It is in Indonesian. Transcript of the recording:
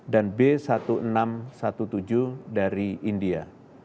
dan b satu enam satu tujuh dari india